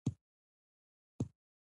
موږ به سبا سهار وختي پاڅېږو.